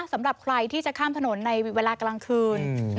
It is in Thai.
สำหรับใครที่จะข้ามถนนในเวลากลางคืน